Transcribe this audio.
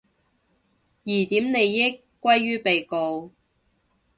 疑點利益歸於被告